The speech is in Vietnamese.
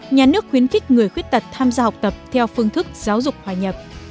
một nhà nước khuyến khích người khuyết tật tham gia học tập theo phương thức giáo dục hòa nhập